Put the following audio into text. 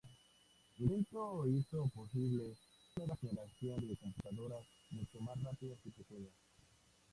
El invento hizo posible una nueva generación de computadoras mucho más rápidas y pequeñas.